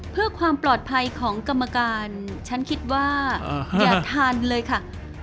เพื่อความปลอดภัยของกรรมการฉันคิดว่าอยากทานเลยค่ะ